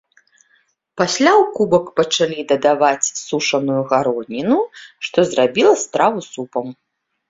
Пасля ў кубак пачалі дадаваць сушаную гародніну, што зрабіла страву супам.